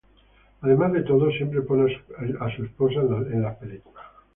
Además de todo siempre pone a su esposa en sus películas.